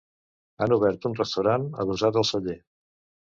Han obert un restaurant adossat al celler.